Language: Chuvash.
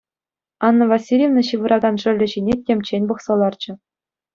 Анна Васильевна ҫывӑракан шӑллӗ ҫине темччен пӑхса ларчӗ.